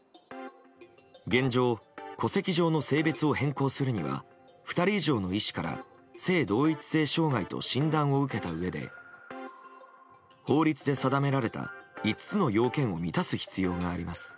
現状、戸籍上の性別を変更するには２人以上の医師から性同一性障害と診断を受けたうえで法律で定められた５つの要件を満たす必要があります。